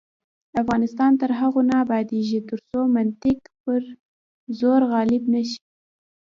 افغانستان تر هغو نه ابادیږي، ترڅو منطق پر زور غالب نشي.